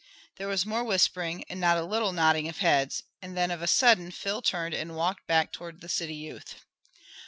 There was more whispering and not a little nodding of heads, and then of a sudden Phil turned and walked back toward the city youth.